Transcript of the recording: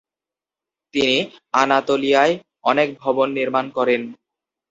তিনি আনাতোলিয়ায় অনেক ভবন নির্মাণ করেন।